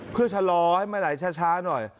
เพื่อชะลอให้มันไหลช้าหน่อย